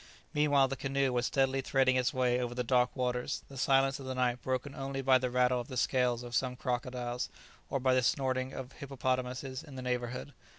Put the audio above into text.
Meanwhile the canoe was steadily threading its way over the dark waters, the silence of the night broken only by the rattle of the scales of some crocodiles, or by the snorting of hippopotamuses in the neighbourhood.